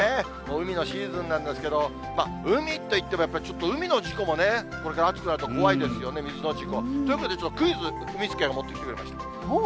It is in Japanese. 海のシーズンなんですけれども、海といっても、ちょっと海の事故もね、これから暑くなると、怖いですよね、水の事故。ということで、ちょっとクイズ、うみスケが持ってきてくれました。